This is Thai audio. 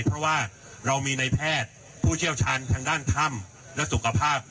เพราะว่าเรามีในแพทย์ผู้เชี่ยวชาญทางด้านถ้ำและสุขภาพ